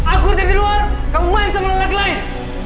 aku datang di luar kamu main sama orang lain